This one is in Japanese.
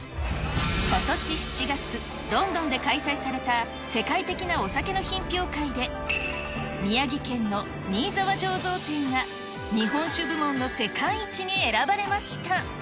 ことし７月、ロンドンで開催された世界的なお酒の品評会で、宮城県の新澤醸造店が日本酒部門の世界一に選ばれました。